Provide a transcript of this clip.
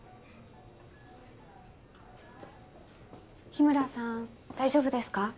日村さん大丈夫ですか？